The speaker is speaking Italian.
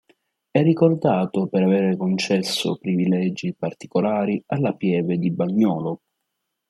È ricordato per avere concesso privilegi particolari alla pieve di Bagnolo.